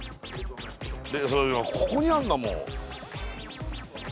ここにあんだもん